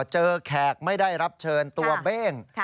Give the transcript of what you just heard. แขกไม่ได้รับเชิญตัวเบ้ง